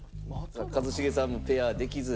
一茂さんもペアできず。